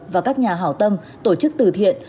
và các nhà hảo tâm tổ chức từ thiện